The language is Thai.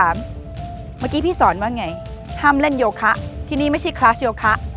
เมื่อกี้พี่สอนว่าไงห้ามเล่นโยคะที่นี่ไม่ใช่คลาสโยคะ